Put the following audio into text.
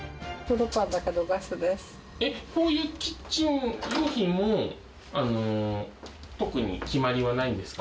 えっこういうキッチン用品も特に決まりはないんですか？